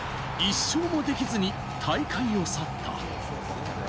１勝もできずに大会を去った。